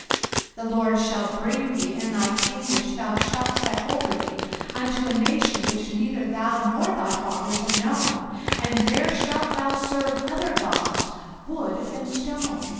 05:028:036 The LORD shall bring thee, and thy king which thou shalt set over thee, unto a nation which neither thou nor thy fathers have known; and there shalt thou serve other gods, wood and stone.